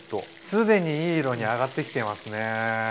既にいい色に揚がってきていますね。